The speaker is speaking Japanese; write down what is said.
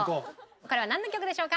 これはなんの曲でしょうか？